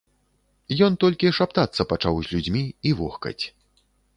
Ён толькі шаптацца пачаў з людзьмі і вохкаць.